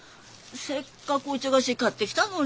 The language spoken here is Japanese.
せっかくお茶菓子買ってきたのに。